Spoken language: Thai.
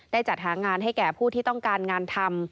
จัดหางานให้แก่ผู้ที่ต้องการงานทำ